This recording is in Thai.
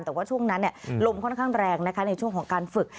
แต่ว่าช่วงนั้นลมค่อนข้างแรงนะคะในช่วงของการฝึก